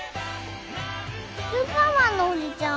スーパーマンのおじちゃん